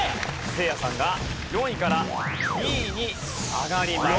せいやさんが４位から２位に上がります。